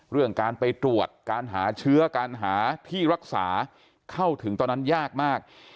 เรื่องการไปตรวจการหาเชื้อการหาที่รักษาเข้าถึงตอนนั้นยากมาก